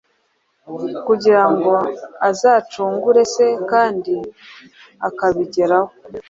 kugira ngo azacungure se, kandi akabigeraho.